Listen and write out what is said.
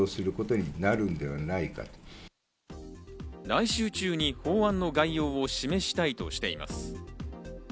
来週中に法案の概要を示したいとしています。